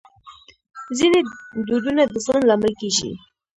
ځینې دودونه د ظلم لامل کېږي.